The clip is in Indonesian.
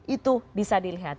itu bisa dilihat